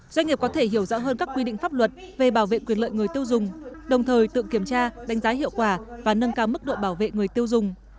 doanh nghiệp có thể hiểu rõ hơn các quy định pháp luật về bảo vệ quyền lợi người tiêu dùng đồng thời tự kiểm tra đánh giá hiệu quả và nâng cao mức độ bảo vệ người tiêu dùng